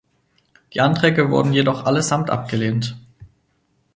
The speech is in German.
Die Anträge wurde jedoch allesamt abgelehnt.